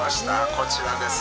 こちらです。